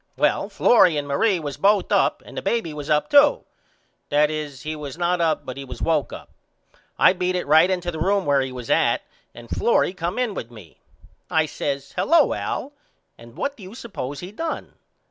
Well Florrie and Marie was both up and the baby was up too that is he was not up but was woke up. I beat it right into the room where he was at and Florrie come in with me. I says Hello Al and what do you suppose he done.